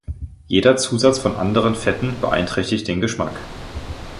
Jeder Zusatz von anderen Fetten beeinträchtigt den Geschmack.